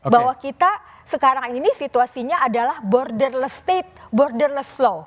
bahwa kita sekarang ini situasinya adalah borderless state borderless slow